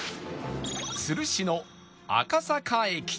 都留市の赤坂駅